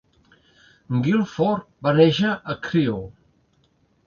Gilford va néixer a Crewe.